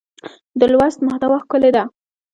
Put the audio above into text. د لوست محتوا ښکلې ده.